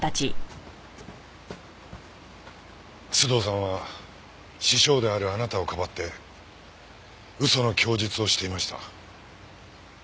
須藤さんは師匠であるあなたをかばって嘘の供述をしていました。